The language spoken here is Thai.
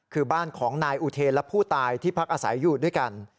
คือบ้านของนายอุเทนและผู้ตายที่พักอาศัยอยู่ด้วยกัน